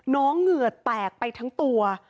น้องเหงือแตกไปทั้งตัว